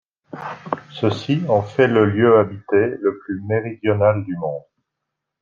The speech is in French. Ceci en fait le lieu habité le plus méridional du monde.